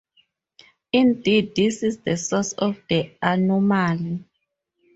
Indeed, this is the source of the anomaly.